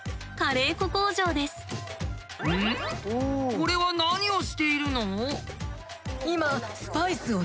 これは何をしているの？